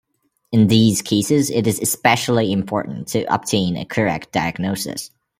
In these cases it is especially important to obtain a correct diagnosis.